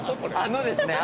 あのですね